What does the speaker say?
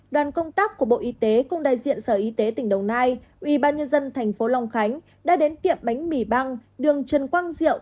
đoàn công tác của bộ y tế cùng đại diện sở y tế tỉnh đồng nai ubnd tp long khánh đã đến tiệm bánh mì băng đường trần quang diệu